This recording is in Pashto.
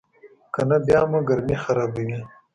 کنه بیا مو ګرمي خرابوي.